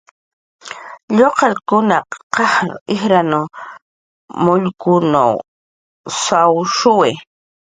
Lluqallkunaq q'aj ijran mullkunw sawshuwi